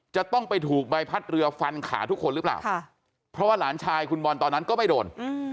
จะต้องไปถูกใบพัดเรือฟันขาทุกคนหรือเปล่าเพราะว่าหลานชายคุณบอลตอนนั้นก็ไม่โดน